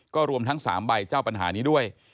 ก็รวมทั้ง๓ใบเจ้าปัญหานี้ด้วย